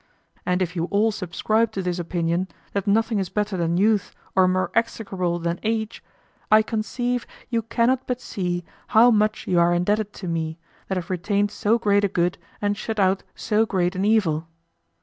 And if you all subscribe to this opinion, that nothing is better than youth or more execrable than age, I conceive you cannot but see how much you are indebted to me, that have retained so great a good and shut out so great an evil.